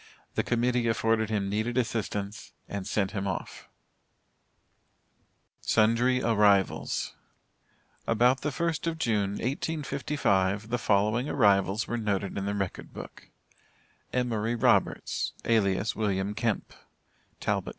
The Committee afforded him needed assistance, and sent him off. SUNDRY ARRIVALS. About the 1st of June, 1855, the following arrivals were noted in the record book: EMORY ROBERTS, alias WILLIAM KEMP, Talbot Co.